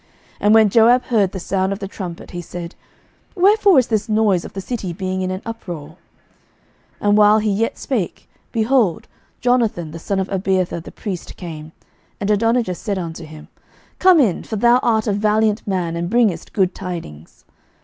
And when Joab heard the sound of the trumpet, he said, Wherefore is this noise of the city being in an uproar? 11:001:042 And while he yet spake, behold, Jonathan the son of Abiathar the priest came; and Adonijah said unto him, Come in; for thou art a valiant man, and bringest good tidings.